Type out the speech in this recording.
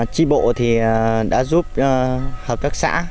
tri bộ thì đã giúp hợp tác xã